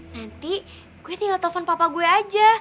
nanti gue tinggal telepon papa gue aja